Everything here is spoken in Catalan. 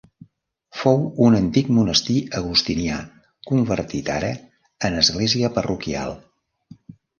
Fou un antic monestir agustinià, convertit ara en església parroquial.